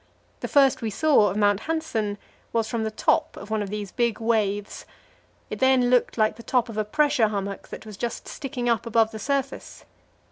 The first we saw of Mount Hanssen was from the top of one of these big waves; it then looked like the top of a pressure hummock that was just sticking up above the surface.